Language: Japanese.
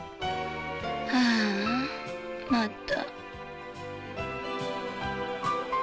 あーあ、また。